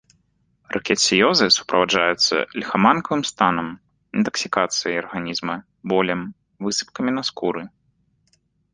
Рыкетсіёзы суправаджаюцца ліхаманкавым станам, інтаксікацыяй арганізма, болем, высыпкамі на скуры.